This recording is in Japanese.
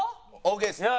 オーケーです。